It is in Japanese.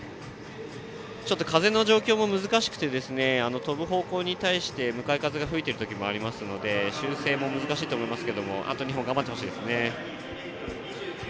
風の状況も難しくて跳ぶ方向に対して向かい風が吹いている時がありますので修正も難しいと思いますけどあと２本、頑張ってほしいですね。